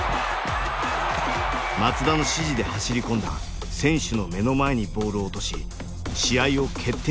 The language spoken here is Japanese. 松田の指示で走り込んだ選手の目の前にボールを落とし試合を決定